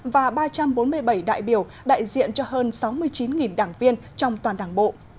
và ba trăm bốn mươi bảy đại biểu đại diện cho hơn sáu mươi chín đảng viên trong toàn đảng bộ